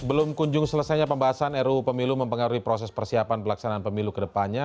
belum kunjung selesainya pembahasan ruu pemilu mempengaruhi proses persiapan pelaksanaan pemilu kedepannya